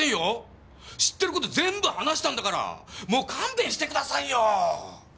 知ってる事全部話したんだからもう勘弁してくださいよ。